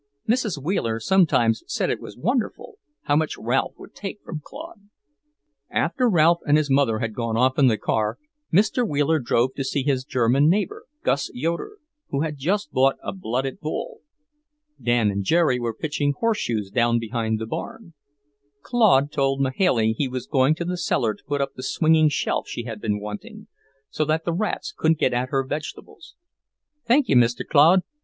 Mrs. Wheeler sometimes said it was wonderful, how much Ralph would take from Claude. After Ralph and his mother had gone off in the car, Mr. Wheeler drove to see his German neighbour, Gus Yoeder, who had just bought a blooded bull. Dan and Jerry were pitching horseshoes down behind the barn. Claude told Mahailey he was going to the cellar to put up the swinging shelf she had been wanting, so that the rats couldn't get at her vegetables. "Thank you, Mr. Claude.